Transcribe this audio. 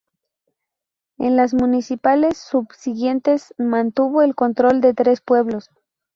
En las municipales subsiguientes mantuvo el control de tres pueblos.